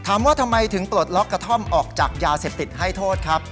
ถามว่าทำไมถึงปลดล็อกกระท่อมออกจากยาเสพติดให้โทษครับ